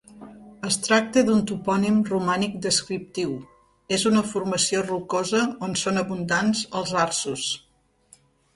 Es tracta d'un topònim romànic descriptiu: és una formació rocosa on són abundants els arços.